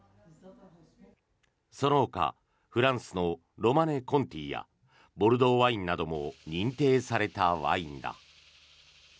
そのほかフランスのロマネ・コンティやボルドーワインなども認定されたワインだ。